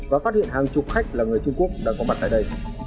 và phát hiện hàng chục khách là người trung quốc đang có mặt tại đây